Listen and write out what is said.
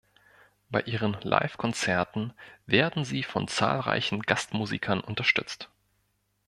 Bei ihren Livekonzerten werden sie von zahlreichen Gastmusikern unterstützt.